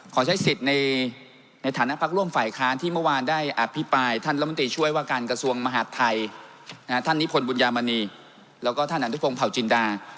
ขอใช้สิทธิ์ในฐานะพักร่วมฝ่ายค้านที่เมื่อวานได้อภิปรายท่านรัฐมนตรีช่วยว่าการกระทรวงมหาดไทยท่านนิพนธบุญยามณีแล้วก็ท่านอนุพงศ์เผาจินดา